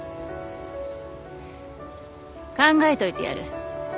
考えといてやる。